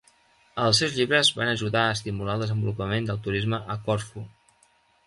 Els seus llibres van ajudar a estimular el desenvolupament del turisme a Corfú.